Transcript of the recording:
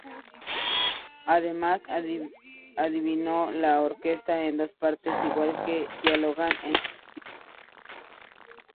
Además dividió la orquesta en dos partes iguales que dialogan entre sí.